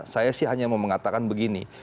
saya sih hanya mau mengatakan begini